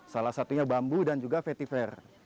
salah satunya bambu dan juga vetiver